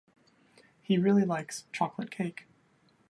He really likes chocolate cake.